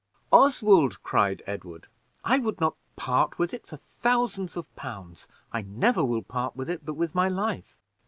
"Oswald," cried Edward, "I would not part with it for thousands of pounds. I never will part with it but with my life."